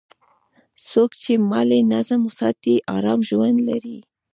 څوک چې مالي نظم ساتي، آرام ژوند لري.